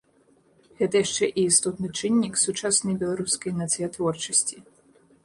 Гэта яшчэ і істотны чыннік сучаснай беларускай нацыятворчасці.